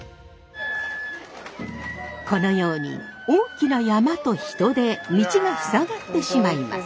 このように大きな山車と人で道が塞がってしまいます。